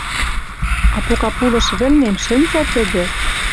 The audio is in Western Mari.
А пока пулыш вӹлнем шӹнзӓ тӹдӹ